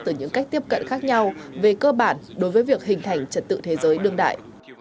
từ những cách tiếp cận khác nhau về cơ bản đối với việc hình thành trật tự thế giới đương đại